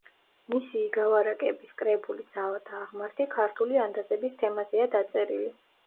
მისი იგავ-არაკების კრებული „ძალა და აღმართი“, ქართული ანდაზების თემაზეა დაწერილი.